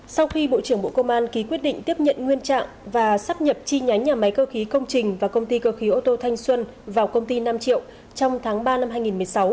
sau khi bộ trưởng bộ công an ký quyết định tiếp nhận nguyên trạng và sắp nhập chi nhánh nhà máy cơ khí công trình và công ty cơ khí ô tô thanh xuân vào công ty nam triệu trong tháng ba năm hai nghìn một mươi sáu